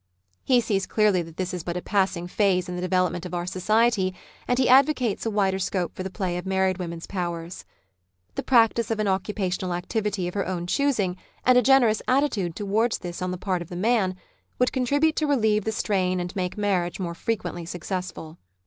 He sees clearly that this is but a passing phase in the development of our society, and he advocates a wider scope for the play of married vs^omen's powers. The practice of an occupational activity of her own choosing, and a generous attitude towards this on the part of the man, would contribute to relieve the strain and make marriage more frequently successful.